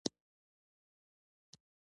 زه د کتاب له ټول متن سره ځکه غرض نه لرم.